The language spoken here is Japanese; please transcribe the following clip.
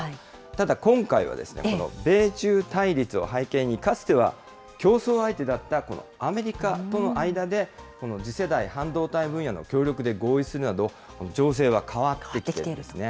ただ、今回はですね、この米中対立を背景に、かつては競争相手だったこのアメリカとの間で、次世代半導体分野の協力で合意するなど、情勢は変わってきているんですね。